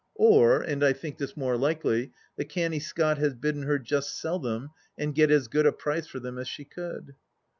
Or, and I think this more likely, the canny Scot has bidden her just sell them and get as good a price for them as she could